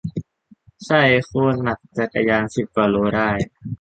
ใช่ โคตรหนัก จักรยาน สิบกว่าโลได้